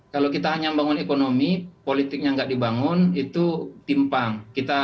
kalau kita hanya membangun ekonomi politiknya nggak dibangun itu timpang